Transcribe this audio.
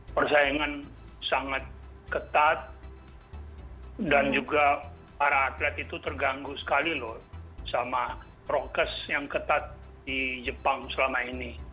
persaingan sangat ketat dan juga para atlet itu terganggu sekali loh sama prokes yang ketat di jepang selama ini